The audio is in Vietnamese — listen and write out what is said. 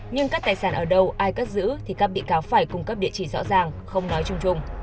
nhưng các tài sản ở đâu ai cất giữ thì các bị cáo phải cung cấp địa chỉ rõ ràng không nói chung chung